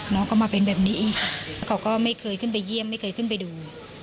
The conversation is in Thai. น้องก็มาเป็นแบบนี้เขาก็ไม่เคยขึ้นไปเยี่ยมไม่เคยขึ้นไปดู